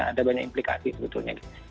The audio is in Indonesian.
ada banyak implikasi sebetulnya